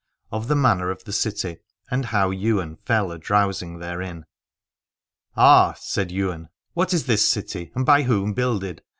OF THE MANNER OF THE CITY AND HOW YWAIN FELL ADROWSING THEREIN. Ah, said Ywain, what is this city and by whom builded